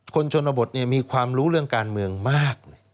ชนบทมีความรู้เรื่องการเมืองมาก